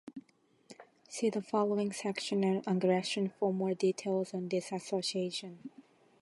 See the following section on aggression for more details on this association.